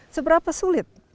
seberapa sulit mereka